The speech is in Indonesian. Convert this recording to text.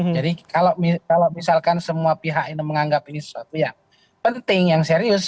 jadi kalau misalkan semua pihak ini menganggap ini sesuatu yang penting yang serius